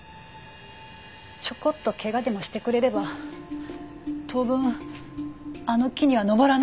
ちょこっと怪我でもしてくれれば当分あの木には登らないだろうと思って。